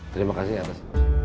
terima kasih atas